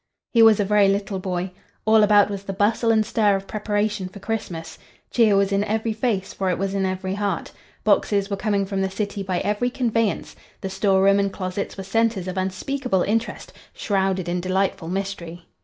He was a very little boy. All about was the bustle and stir of preparation for Christmas. Cheer was in every face, for it was in every heart. Boxes were coming from the city by every conveyance. The store room and closets were centres of unspeakable interest, shrouded in delightful mystery.